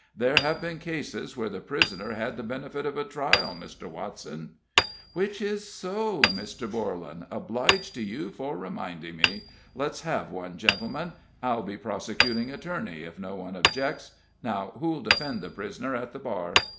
"There have been cases where the prisoner had the benefit of a trial, Mr. Watson." "Which is so, Mr. Borlan. Obliged to you fur reminding me. Let's have one, gentlemen. I'll be prosecuting attorney, if no one objects; now, who'll defend the prisoner at the bar?"